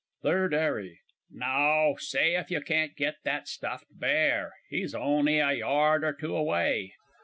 _ THIRD 'ARRY. No see if you can't git that stuffed bear. He's on'y a yard or two away!